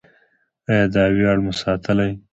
آیا دا ویاړ مو ساتلی دی؟